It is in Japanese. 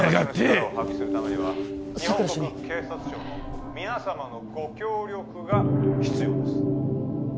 私が力を発揮するためには佐久良主任日本国警察庁の皆様のご協力が必要です